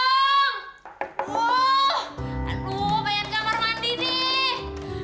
aduh banyak kamar mandi nih